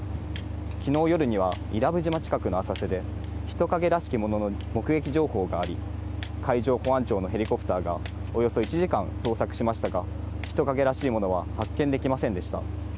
昨日夜には伊良部島近くの浅瀬で、人影らしきものの目撃情報があり、海上保安庁のヘリコプターがおよそ１時間捜索しましたが、人影らしいものは発見できませんでした。